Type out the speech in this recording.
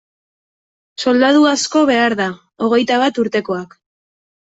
Soldadu asko behar da, hogeita bat urtekoak.